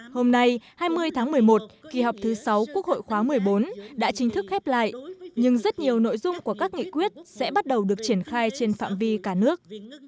hôm nay hai mươi tháng một mươi một kỳ họp thứ sáu quốc hội khóa một mươi bốn đã chính thức khép lại nhưng rất nhiều nội dung của các nghị quyết sẽ bắt đầu được triển khai trên phạm vi cả nước